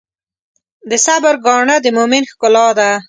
د صبر ګاڼه د مؤمن ښکلا ده.